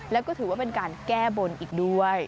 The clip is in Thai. แล้วก็ถือว่าเป็นการแก้บนอีกด้วย